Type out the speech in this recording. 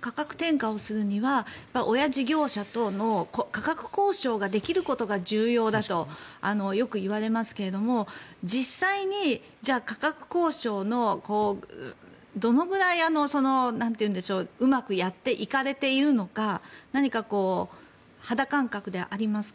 価格転嫁をするには親事業者との価格交渉ができることが重要だとよく言われますけど実際に価格交渉のどのくらいうまくやっていかれているのか何か肌感覚でありますか？